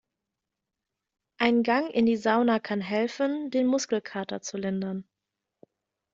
Ein Gang in die Sauna kann helfen, den Muskelkater zu lindern.